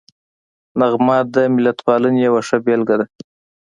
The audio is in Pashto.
نغمه د ملتپالنې یوه ښه بېلګه ده